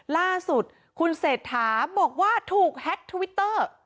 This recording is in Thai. ล่าสุดคุณเศรษฐาบอกว่าถูกแฮ็กทวิตเตอร์